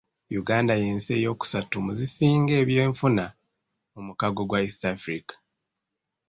Uganda y'ensi eyokusatu mu zisinga ebyenfuna mu mukago gwa East Africa